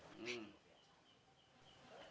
hai eh menggigit